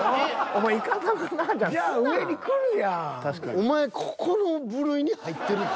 お前ここの部類に入ってるで。